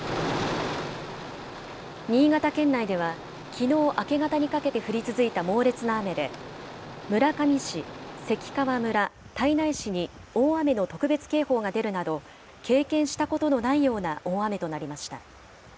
新潟県内では、きのう明け方にかけて降り続いた猛烈な雨で、村上市、関川村、胎内市に大雨の特別警報が出るなど、経験したことのないような大雨となりました。